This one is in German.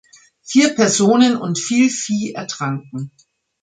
Vier Personen und viel Vieh ertranken.